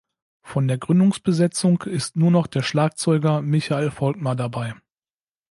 Von der Gründungsbesetzung ist nur noch der Schlagzeuger Michael Volkmer dabei.